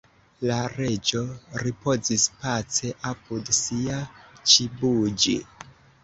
La Reĝo ripozis pace apud sia _ĉibuĝi_.